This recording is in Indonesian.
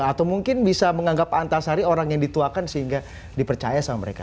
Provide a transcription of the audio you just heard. atau mungkin bisa menganggap pak antasari orang yang dituakan sehingga dipercaya sama mereka